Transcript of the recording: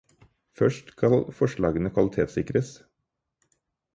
Først skal forslagene kvalitetssikres.